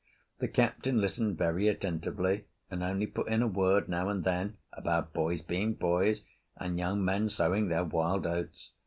The Captain listened very attentively, and only put in a word now and then about boys being boys and young men sowing their wild oats.